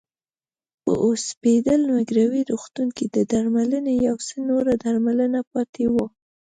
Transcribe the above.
په اوسپیډل مګوري روغتون کې د درملنې یو څه نوره درملنه پاتې وه.